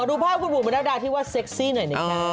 วูนมันต้องไปดาวที่ว่าเซ็กซี่หน่อยมั้ยคะ